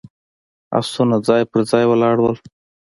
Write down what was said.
آسونه ځای پر ځای ولاړ ول.